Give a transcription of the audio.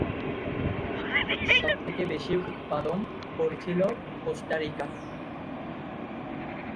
সবথেকে বেশি উৎপাদন করছিল কোস্টা রিকা।